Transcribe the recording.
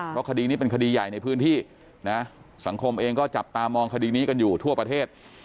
เพราะคดีนี้เป็นคดีใหญ่ในพื้นที่นะสังคมเองก็จับตามองคดีนี้กันอยู่ทั่วประเทศ